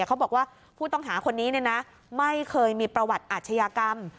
เขาบอกว่าผู้ต้องหาคนนี้ไม่เคยมีประวัติอาชญากรรม